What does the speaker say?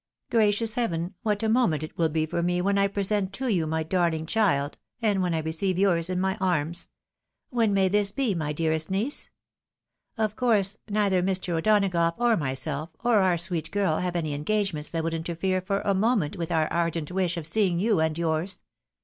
Gracious Heaven, what a moment it wiU be for me when I present to you my darhng child, and when I receive yours in my arms ! When may this be, my dearest niece ? Of course, neither Mr. O'Donagough, or myself, or our sweet girl, have any engagements that would interfere for a moment with our ardent wish of seeing you and yours.